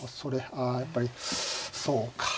あやっぱりそうか。